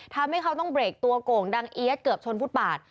ทำให้เขาต้องเบรกตัวโก่งดังเอี๊ยดเกือบชนฟุตบาท